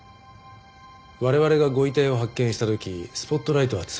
我々がご遺体を発見した時スポットライトはついてました。